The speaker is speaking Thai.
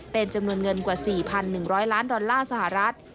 เป็นจำนวนเงินกว่า๔๑๐๐ล้านดอลลาร์สหรัฐ